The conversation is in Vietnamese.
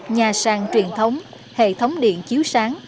nhà sàng truyền thống hệ thống điện chiếu sáng